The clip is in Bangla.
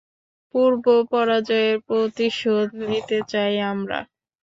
পূর্ব পরাজয়ের প্রতিশোধ নিতে চাই আমরা।